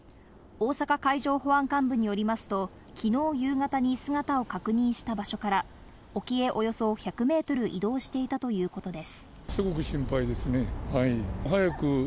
大阪海上保安監部によりますと、昨日夕方に姿を確認した場所から、沖へおよそ１００メートル移動していたということです。